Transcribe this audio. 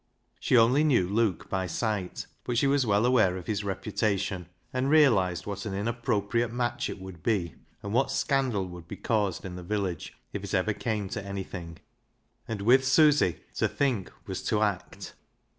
She only knew Luke by sight, but she was well aware of his reputation, and realised what an inap propriate match it would be, and what scandal would be caused in the village if it ever came to anything. And with Susy to think was to act.